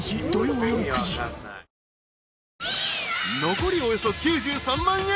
［残りおよそ９３万円］